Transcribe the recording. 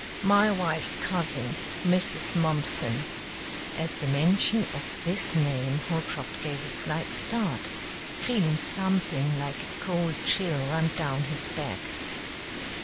My wife's cousin, Mrs. Mumpson " At the mention of this name Holcroft gave a slight start, feeling something like a cold chill run down his back.